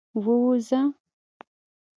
ووځه.